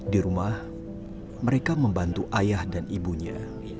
di rumah mereka membantu ayah dan ibunya